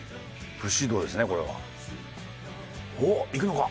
武士道ですねこれは。おっいくのか？